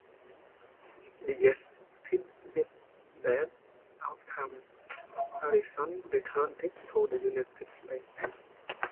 Disgusted with that outcome, Harrison returned to the United States.